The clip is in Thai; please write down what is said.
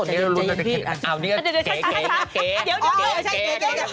เดี๋ยวเดี่ยวฉันฟะ